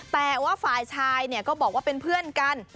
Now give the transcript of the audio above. แต่ว่าฝ่ายชายก็บอกว่าเป็นเพื่อนกัน